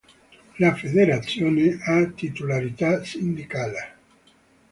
La Federazione ha titolarità sindacale.